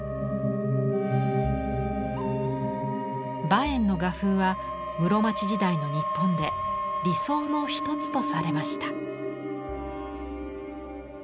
馬遠の画風は室町時代の日本で理想の一つとされました。